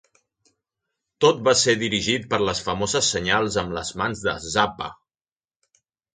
Tot va ser dirigit per les famoses senyals amb les mans de Zappa.